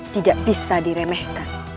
tidak bisa diremehkan